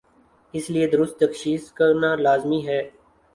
اس لئے درست تشخیص کرنالازمی ہے۔